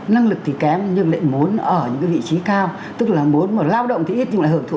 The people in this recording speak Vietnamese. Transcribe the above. năng lực thì kém nhưng lại muốn ở những cái vị trí cao tức là muốn mà lao động thì ít nhưng lại hưởng thụ